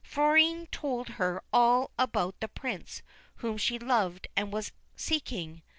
Florine told her all about the Prince whom she loved and was seeking.